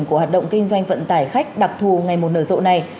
của hoạt động kinh doanh vận tải khách đặc thù ngày một nở rộ này